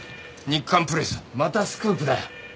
『日刊プレス』またスクープだ。